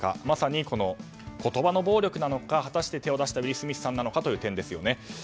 まさに言葉の暴力なのか果たして、手を出したウィル・スミスさんなのかという点ですよね。